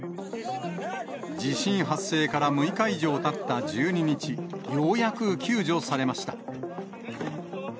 地震発生から６日以上たった１２日、ようやく救助されました。